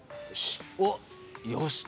よし。